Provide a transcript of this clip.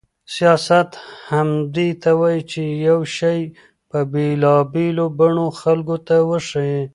سیاست همدې ته وایي چې یو شی په بېلابېلو بڼو خلکو ته وښيي.